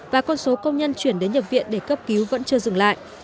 và con số công nhân chuyển đến nhập viện để cấp cứu vẫn chưa dừng lại